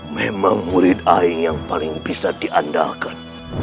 memang murid aing yang paling bisa diandalkan